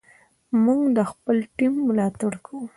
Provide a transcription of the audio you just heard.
موږ د خپل ټیم ملاتړ کوو.